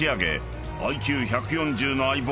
ＩＱ１４０の相棒